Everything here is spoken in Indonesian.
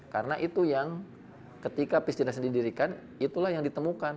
karena itu yang ketika peace generation didirikan itulah yang ditemukan